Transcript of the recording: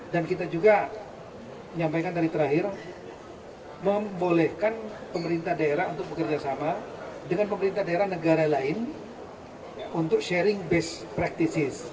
dan kita juga menyampaikan dari terakhir membolehkan pemerintah daerah untuk bekerja sama dengan pemerintah daerah negara lain untuk sharing best practices